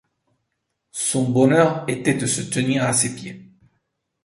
Son bonheur était de se tenir à ses pieds.